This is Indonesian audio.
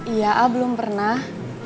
iya ah belum pernah